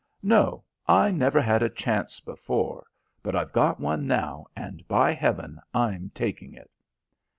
"No, I never had a chance before, but I've got one now, and, by heaven, I'm taking it."